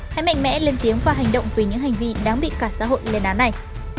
hãy mạnh mẽ lên tiếng và hành động vì những hành vi đáng bị cả xã hội lên án này